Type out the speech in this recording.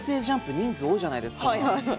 人数多いじゃないですか。